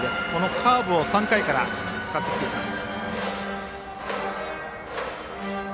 カーブを３回から使ってきています。